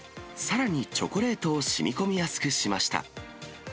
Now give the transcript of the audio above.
さらにチョコレートをしみこみやすくしました。